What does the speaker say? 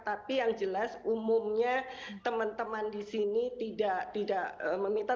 tapi yang jelas umumnya teman teman di sini tidak meminta